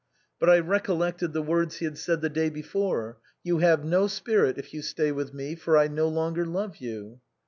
But I recollected the words he had said the day before, * You have no spirit if you stay with me, for I no longer love you.'